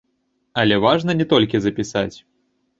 Але важна не толькі запісаць.